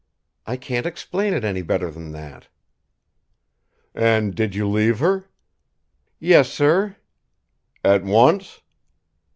I can't explain it any better than that." "And did you leave her?" "Yes, sir." "At once?"